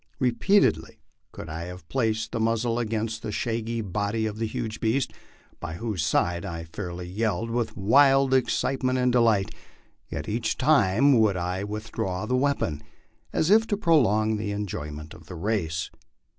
Repeatedly could I have placed the muzzle against the shaggy body of the huge beast, by whose side I fairly yelled with wild excitement and delight, yet each time would I withdrawn the weapon, as if to prolong the enjoyment of the race.